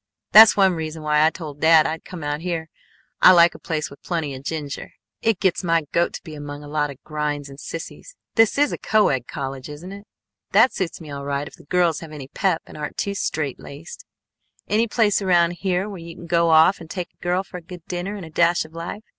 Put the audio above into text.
That's one reason why I told dad I'd come out here. I like a place with plenty of ginger. It gets my goat to be among a lot of grinds and sissies! This is a co ed college, isn't it? That suits me all right if the girls have any pep and aren't too straitlaced. Any place around here where you can go off and take a girl for a good dinner and a dash of life?